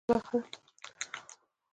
پکتیا د افغانانو د ګټورتیا برخه ده.